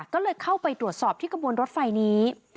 ก็เลยเข้าไปตรวจสอบที่กระบวนรถไฟนี้